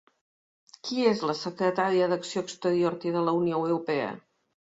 Qui és la secretària d'Acció Exterior i de la Unió Europea?